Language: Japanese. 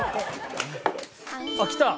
あっ来た。